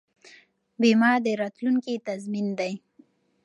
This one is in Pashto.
بیمه د راتلونکي تضمین دی.